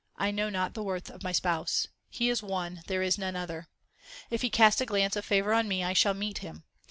I know not the worth of my Spouse ; He is one, there is none other. If He cast a glance of favour on me, I shall meet Him.